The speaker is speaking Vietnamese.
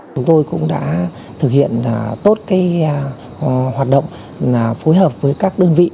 chúng tôi cũng đã thực hiện tốt hoạt động phối hợp với các đơn vị